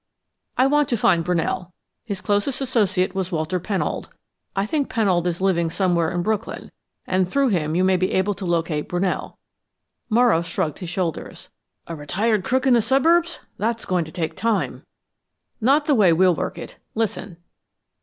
"I want to find Brunell. His closest associate was Walter Pennold. I think Pennold is living somewhere in Brooklyn, and through him you may be able to locate Brunell " Morrow shrugged his shoulders. "A retired crook in the suburbs. That's going to take time." "Not the way we'll work it. Listen."